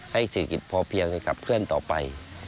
เศรษฐกิจพอเพียงขับเคลื่อนต่อไป